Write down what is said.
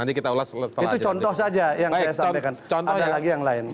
itu contoh saja yang saya sampaikan